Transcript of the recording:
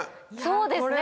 そうですね